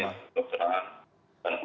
dan keluarga yang bicara yang pasti